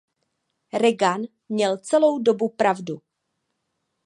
Reagan měl celou dobu pravdu.